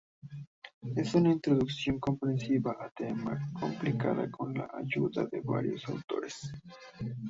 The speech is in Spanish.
Es una introducción comprensiva a tema compilada con la ayuda de varios autores.